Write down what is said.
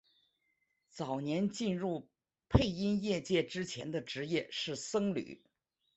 早年进入配音业界之前的职业是僧侣。